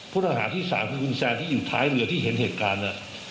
ผู้หาที่สายคุณแสนที่อยู่ท้ายเรือที่เห็นเหตุการณ์